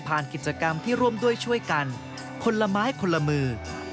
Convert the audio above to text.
กิจกรรมที่ร่วมด้วยช่วยกันคนละไม้คนละมือ